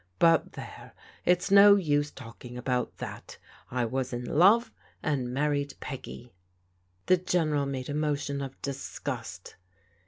But there, it's no use talking about that. I was in love, and married Peggy." The General made a motion of disgust.